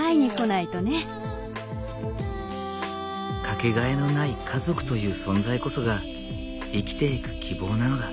掛けがえのない家族という存在こそが生きていく希望なのだ。